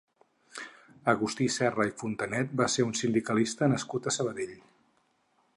Agustí Serra i Fontanet va ser un sindicalista nascut a Sabadell.